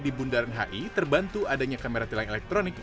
di bundaran hi terbantu adanya kamera tilang elektronik